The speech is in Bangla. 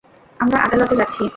আমরা আদালতে যাচ্ছি।